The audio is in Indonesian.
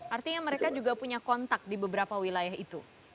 artinya mereka juga punya kontak di beberapa wilayah itu